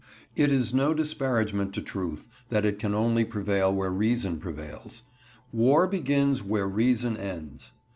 It is no disparagement to truth, that it can only prevail where reason prevails. War begins where reason ends.